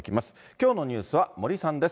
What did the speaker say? きょうのニュースは森さんです。